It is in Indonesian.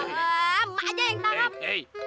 mak aja yang tangkap